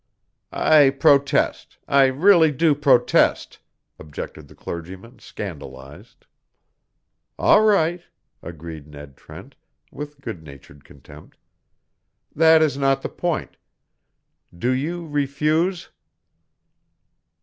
"I protest. I really do protest," objected the clergyman, scandalized. "All right," agreed Ned Trent, with good natured contempt. "That is not the point. Do you refuse?"